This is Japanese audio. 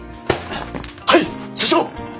はい社長！